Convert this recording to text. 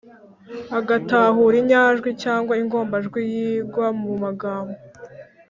agatahura inyajwi cyangwa ingombajwi yigwa mu magambo